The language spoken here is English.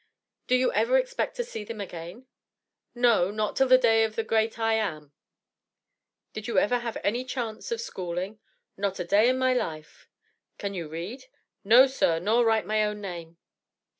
"Do you ever expect to see them again?" "No, not till the day of the Great I am!" "Did you ever have any chance of schooling?" "Not a day in my life." "Can you read?" "No, sir, nor write my own name."